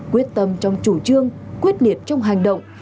quyết tâm trong chủ trương quyết liệt trong hành động